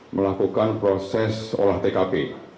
melakukan proses olah tkp